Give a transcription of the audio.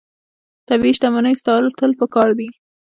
طبیعي شتمنۍ ساتل پکار دي.